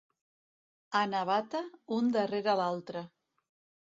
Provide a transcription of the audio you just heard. A Navata, un darrere l'altre.